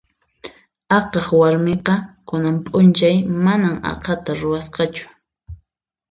Aqhaq warmiqa kunan p'unchay mana aqhata ruwasqachu.